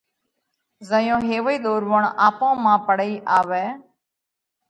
زئيون هيوَئي ۮورووڻ آپون مانه پڙي آوئه،